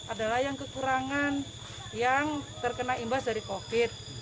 adalah yang kekurangan yang terkena imbas dari covid